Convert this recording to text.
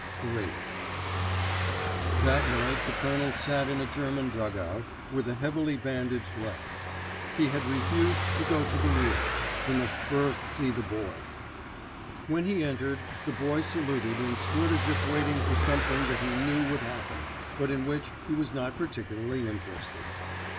*III* That night the Colonel sat in a German dugout, with a heavily bandaged leg. He had refused to go to the rear. He must first see the Boy. When he entered, the Boy saluted and stood as if waiting for something that he knew would happen, but in which he was not particularly interested.